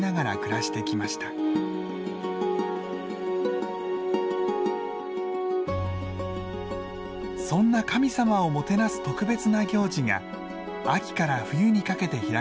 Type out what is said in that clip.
そんな神様をもてなす特別な行事が秋から冬にかけて開かれます。